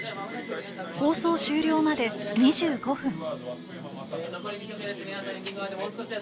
放送終了まで２５分。